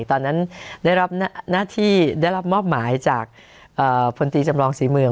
ตอนนั้นได้รับหน้าที่ได้รับมอบหมายจากพลตรีจำลองศรีเมือง